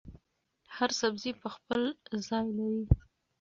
هر سبزي خپل ځای لري.